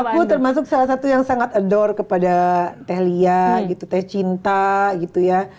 aku termasuk salah satu yang sangat addor kepada telia gitu teh cinta gitu ya